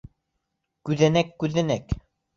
— Күҙәнәк, күҙәнәк...